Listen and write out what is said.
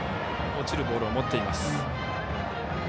落ちるボールも持っています。